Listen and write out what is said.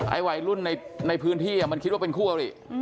วัยรุ่นในพื้นที่มันคิดว่าเป็นคู่อริ